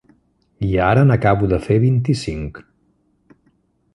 I ara n'acabo de fer vint-i-cinc.